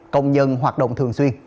công nhân hoạt động thường xuyên